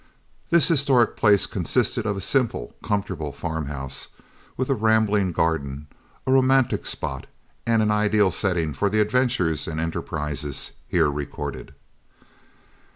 This historical place consisted of a simple, comfortable farm house, with a rambling garden a romantic spot, and an ideal setting for the adventures and enterprises here recorded.